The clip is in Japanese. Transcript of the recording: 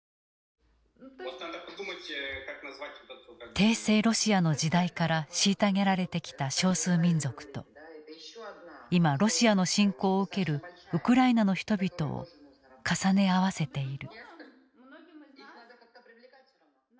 帝政ロシアの時代から虐げられてきた少数民族と今ロシアの侵攻を受けるウクライナの人々を重ね合わせている。